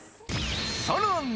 さらに。